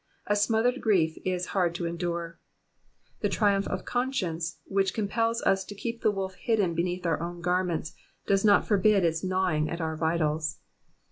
A smothered grief is hard to endure. The triumph of conscience which compels us to keep the wolf hidden beneath our own garments, does not forbid its gnawing at our vitals.